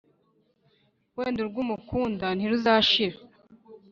Wenda urwo umukunda ntiruzashira